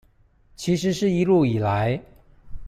其實是一路以來